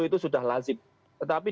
itu sudah lazim tetapi